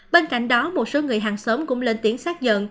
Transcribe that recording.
bên cạnh đó một số người hàng xóm cũng lên tiếng sát giận